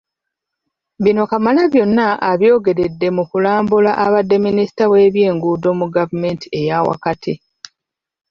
Bino Kamalabyonna abyogeredde mu kulambula abadde Minisita w’ebyenguudo mu gavumenti eyaawakati.